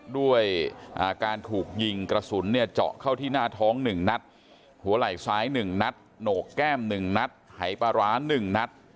ด้วยการถูกยิงกระสุนเนี่ยเจาะเข้าที่หน้าท้อง๑นัดหัวไหล่ซ้าย๑นัดโหนกแก้ม๑นัดหายปลาร้า๑นัด